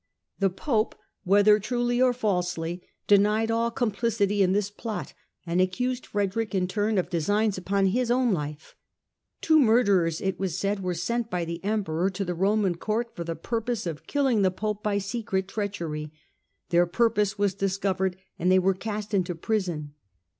The Pope, whether truly or falsely, denied all com plicity in this plot, and accused Frederick in turn _of designs upon his own life. Two murderers, it was said, were sent by the Emperor to the Roman Court for the purpose of killing the Pope by secret treachery. Their purpose was discovered and they were cast into prison.